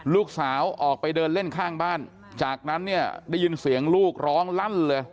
ออกไปเดินเล่นข้างบ้านจากนั้นเนี่ยได้ยินเสียงลูกร้องลั่นเลย